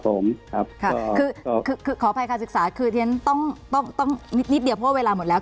ครับผมขออภัยค่ะศึกษาต้องนิดเดียวเพราะเวลาหมดแล้ว